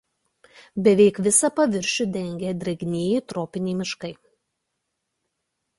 Beveik visą paviršių dengia drėgnieji tropiniai miškai.